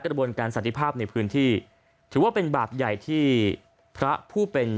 กระบวนการสันติภาพในพื้นที่ถือว่าเป็นบาปใหญ่ที่พระผู้เป็น